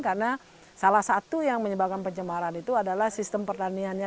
karena salah satu yang menyebabkan pencemaran itu adalah sistem pertaniannya